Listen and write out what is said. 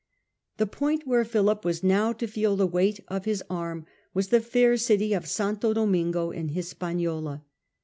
The point where Philip was now to feel the weight of his arm was the fair city of St. Domingo in Hispaniola.